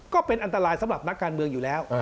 ก็เป็นอันตรายสำหรับนักการเมืองอยู่แล้ว